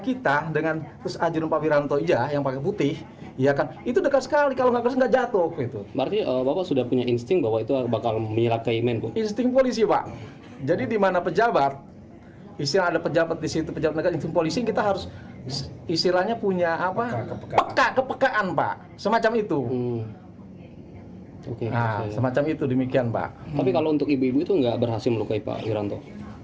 kepala kepolisian polisi darianto